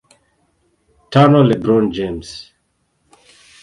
Tano LeBron James